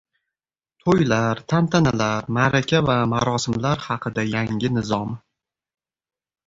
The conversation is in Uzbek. To‘ylar, tantanalar, ma’raka va marosimlar haqida yangi nizom